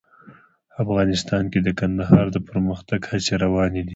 افغانستان کې د کندهار د پرمختګ هڅې روانې دي.